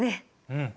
うん。